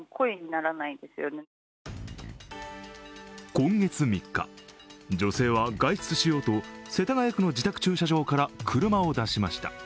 今月３日、女性は外出しようと世田谷区の自宅駐車場から車を出しました。